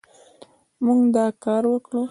موږ دا کار وکړ